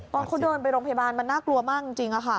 ตอนเขาเดินไปโรงพยาบาลมันน่ากลัวมากจริง